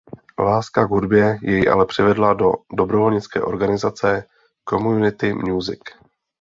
Láska k hudbě jej ale přivedla do dobrovolnické organizace "Community Music".